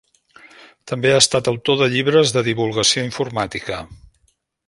També ha estat autor de llibres de divulgació informàtica.